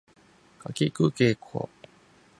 かきくけこ